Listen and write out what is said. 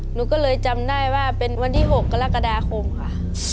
หนูก็เลยจำได้ว่าเป็นวันที่๖กรกฎาคมค่ะ